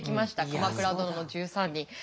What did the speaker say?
「鎌倉殿の１３人」。